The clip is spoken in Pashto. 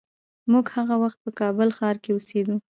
موږ هغه وخت په کابل ښار کې اوسېدو.